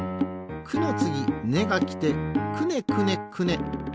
「く」のつぎ「ね」がきてくねくねくね。